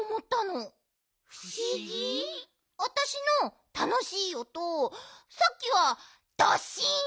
ふしぎ？あたしのたのしいおとさっきは「ドッシン！」